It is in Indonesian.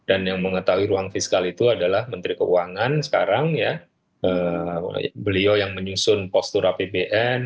yang mengetahui ruang fiskal itu adalah menteri keuangan sekarang ya beliau yang menyusun postur apbn